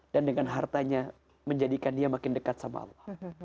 dan dengan hartanya menjadikan dia makin dekat sama allah